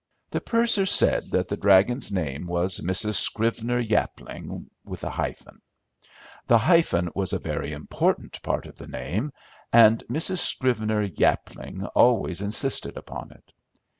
The purser said that the dragon's name was Mrs. Scrivener Yapling, with a hyphen. The hyphen was a very important part of the name, and Mrs. Scrivener Yapling always insisted upon it.